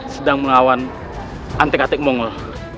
sedang melawan antek antek mongol